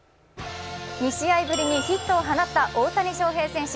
２試合ぶりにヒットを放った大谷翔平選手。